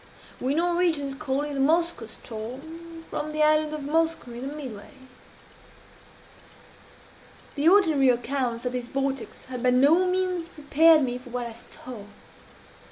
"We Norwegians call it the Moskoe ström, from the island of Moskoe in the midway." The ordinary accounts of this vortex had by no means prepared me for what I saw.